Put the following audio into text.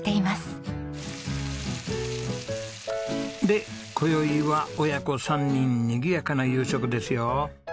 で今宵は母娘３人にぎやかな夕食ですよ。